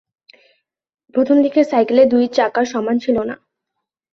প্রথম দিকের সাইকেলের দুই চাকা সমান ছিলো না।